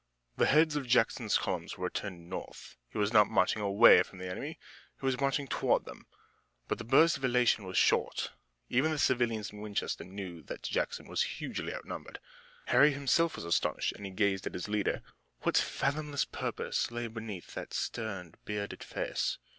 The heads of Jackson's columns were turned north. He was not marching away from the enemy. He was marching toward him. But the burst of elation was short. Even the civilians in Winchester knew that Jackson was hugely outnumbered. Harry himself was astonished, and he gazed at his leader. What fathomless purpose lay beneath that stern, bearded face?